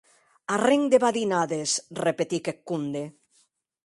Arren de badinades!, repetic eth comde.